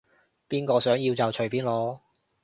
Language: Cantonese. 邊個想要就隨便攞